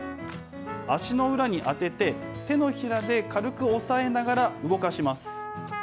足の裏に当てて、手のひらで軽く押さえながら動かします。